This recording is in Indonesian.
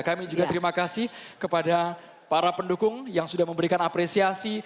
kami juga terima kasih kepada para pendukung yang sudah memberikan apresiasi